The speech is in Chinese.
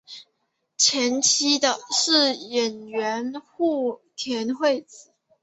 前妻是演员的户田惠子。